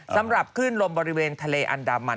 สำหรับขึ้นลมบริเวณทะเลอันดามัน